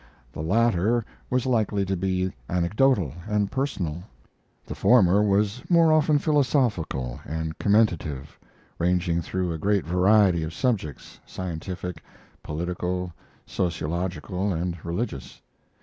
The latter was likely to be anecdotal and personal; the former was more often philosophical and commentative, ranging through a great variety of subjects scientific, political, sociological, and religious.